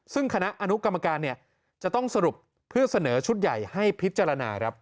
ซึ่งคณะอนุกรรมการจะต้องสรุปเพื่อเสนอชุดใหญ่ให้พิจารณาครับ